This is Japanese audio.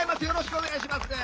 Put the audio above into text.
よろしくお願いします。